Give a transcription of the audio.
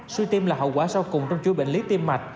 suy tim là hậu quả sau cùng trong chúi bệnh lý tiêm mạch